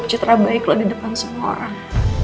belum cukup cetra bayi lo di depan semua orang